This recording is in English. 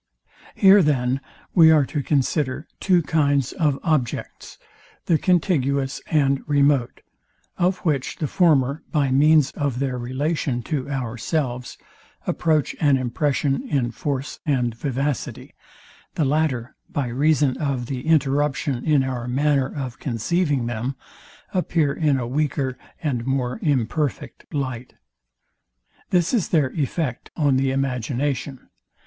Here then we are to consider two kinds of objects, the contiguous and remote; of which the former, by means of their relation to ourselves, approach an impression in force and vivacity; the latter by reason of the interruption in our manner of conceiving them, appear in a weaker and more imperfect light. This is their effect on the imagination.